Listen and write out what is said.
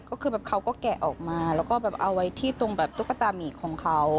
ก็คือแบบเขาก็แกะออกมาแล้วก็แบบเอาไว้ที่ตรงแบบตุ๊กตามีของเขา